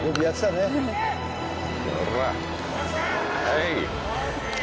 はい！